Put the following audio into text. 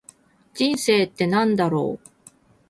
人生って何だろう。